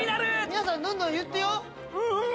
皆さんどんどん言ってようっま！